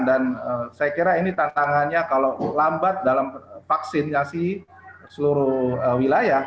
dan saya kira ini tantangannya kalau lambat dalam vaksin ngasih seluruh wilayah